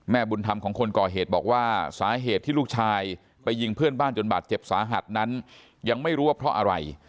บุญธรรมของคนก่อเหตุบอกว่าสาเหตุที่ลูกชายไปยิงเพื่อนบ้านจนบาดเจ็บสาหัสนั้นยังไม่รู้ว่าเพราะอะไร